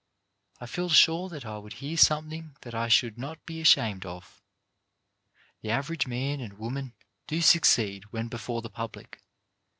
I feel sure that I would hear something that I should not be ashamed of. The average man and woman does succeed when before the public.